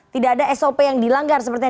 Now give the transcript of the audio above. tidak ada sop yang dilanggar sepertinya